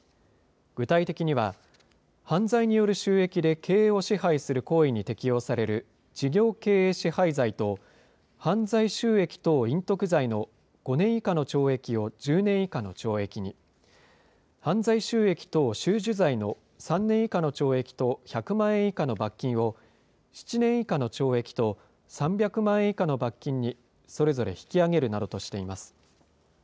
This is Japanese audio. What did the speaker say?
具体的には、犯罪による収益で経営を支配する行為に適用される事業経営支配罪と、犯罪収益等隠匿罪の５年以下の懲役を１０年以下の懲役に、犯罪収益等収受罪の３年以下の懲役と１００万円以下の罰金を、７年以下の懲役と３００万円以下の罰金に、それぞれ引き上げるなどとしています。